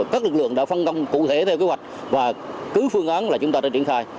các lực lượng đã phân công cụ thể theo kế hoạch và cứ phương án là chúng ta đã triển khai